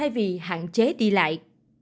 vì hạn chế đi lại